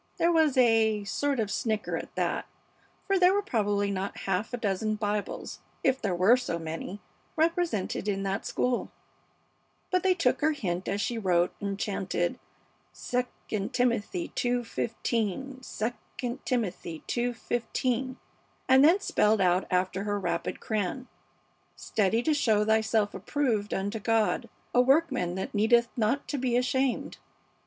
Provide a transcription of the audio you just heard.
There was a sort of snicker at that, for there were probably not half a dozen Bibles, if there were so many, represented in that school; but they took her hint as she wrote, and chanted, "II Timothy ii:15, II Timothy ii:15," and then spelled out after her rapid crayon, "Study to show thyself approved unto God, a workman that needeth not to be ashamed."